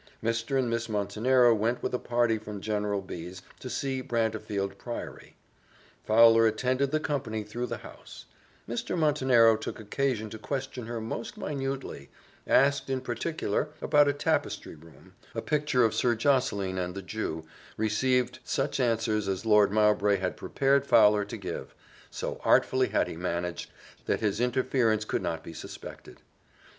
Mr. and Miss Montenero went with a party from General B 's to see Brantefield Priory. Fowler attended the company through the house: Mr. Montenero took occasion to question her most minutely asked, in particular, about a tapestry room a picture of Sir Josseline and the Jew received such answers as Lord Mowbray had prepared Fowler to give: so artfully had he managed, that his interference could not be suspected.